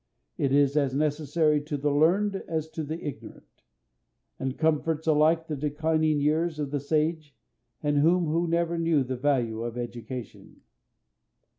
It is as necessary to the learned as to the ignorant, and comforts alike the declining years of the sage and him who never knew the value of education.